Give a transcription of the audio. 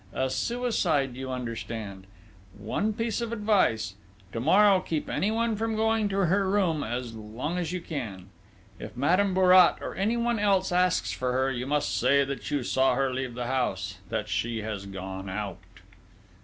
A suicide, you understand.... One piece of advice: to morrow, keep anyone from going to her room as long as you can ... if Madame Bourrat, or anyone else asks for her, you must say that you saw her leave the house that she has gone out...."